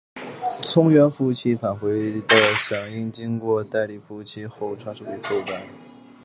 从源服务器返回的响应经过代理服务器后再传给客户端。